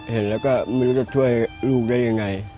เห็นแล้วก็ไม่รู้จะช่วยลูกได้ยังไง